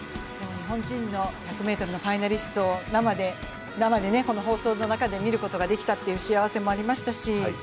日本人の１００ｍファイナリストを生で、放送の中で見ることができたという幸せもありましたし